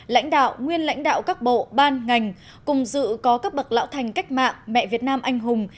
lãnh đạo nguyên lãnh đạo các bộ ban ngành cùng dự có các bậc lão thành cách mạng mẹ việt nam anh hùng